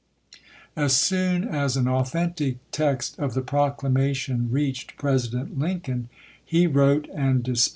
As soon as an authentic text of the proclamation reached President Lincoln, he wrote and dispatched Vol.